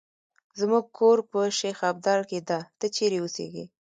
زمونږ کور په شیخ ابدال کې ده، ته چېرې اوسیږې؟